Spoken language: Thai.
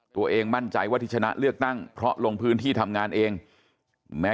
ตัวเองมั่นใจว่าที่ชนะเลือกตั้งเพราะลงพื้นที่ทำงานเองแม้